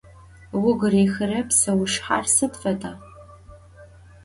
Vugu rihre pseuşsher sıd feda?